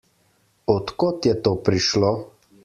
Od kod je to prišlo?